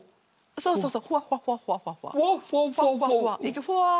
そうそうそう！